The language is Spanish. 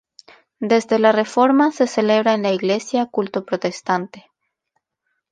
Desde la Reforma se celebra en la iglesia culto protestante.